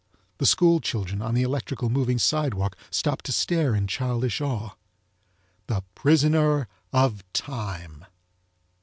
The school children, on the electrical moving sidewalk stopped to stare in childish awe. THE PRISONER OF TIME!